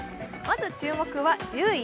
まず注目は１０位。